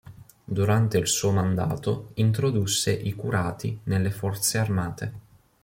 Durante il suo mandato introdusse i curati nelle forze armate.